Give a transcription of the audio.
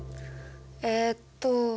えっと。